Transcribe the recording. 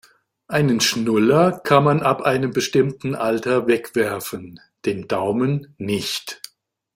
Einen Schnuller kann man ab einem bestimmten Alter wegwerfen, den Daumen nicht.